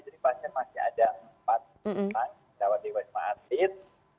jadi pasien masih ada empat pasien yang dirawat di wisma atlet